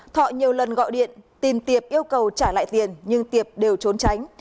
thọ nhiều lần gọi điện tìm tiệp yêu cầu trả lại tiền nhưng tiệp đều trốn tránh